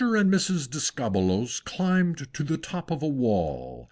and Mrs. Discobbolos Climbed to the top of a wall.